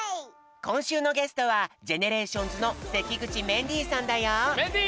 こんしゅうのゲストはＧＥＮＥＲＡＴＩＯＮＳの関口メンディーさんだよ。